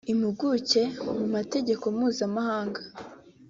impuguke mu mategeko mpuzamahanga